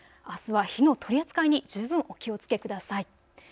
あすは火の取り扱いに十分お気をつけください。